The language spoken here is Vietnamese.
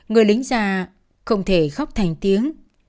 người lính ra không thể khóc thành tiếng